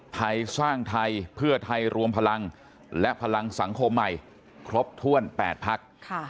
ไทยสร้างไทยเพื่อไทยรวมพลังและพลังสังคมใหม่ครบถ้วน๘พัก